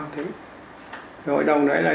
hội đồng đấy là do anh em bầu lên